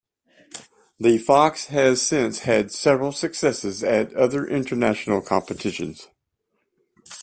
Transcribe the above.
The Fox has since had several successes at other international competitions.